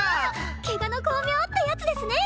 怪我の功名ってやつですね！